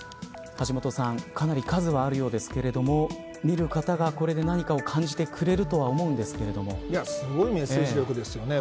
橋下さん、かなり数はあるようですけれども見る方がこれで何かを感じてくれるとはすごいメッセージ力ですよね。